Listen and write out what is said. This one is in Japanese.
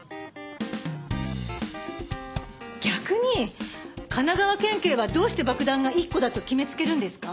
逆に神奈川県警はどうして爆弾が１個だと決めつけるんですか？